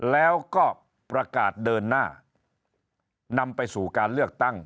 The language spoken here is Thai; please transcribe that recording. แล้วก็ประกาศเดินหน้านำไปสู่การเลือกตั้ง